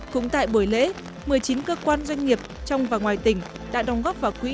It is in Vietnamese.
cũng tại buổi lễ một mươi chín cơ quan doanh nghiệp trong và ngoài tỉnh đã đóng góp vào quỹ